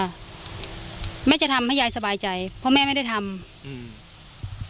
แม่จะทำให้ยายสบายใจเพราะแม่ไม่ได้ทำอืม